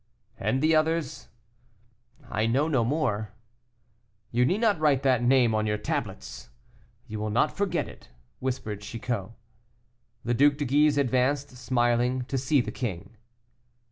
"And the others?" "I know no more." "You need not write that name on your tablets! you will not forget it," whispered Chicot. The Duc de Guise advanced, smiling, to see the king.